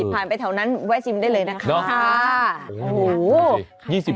ผ่านไปแถวนั้นไว้ชิมได้เลยนะคะค่ะโอ้โห